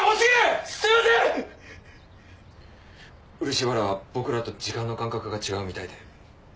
漆原は僕らと時間の感覚が違うみたいで。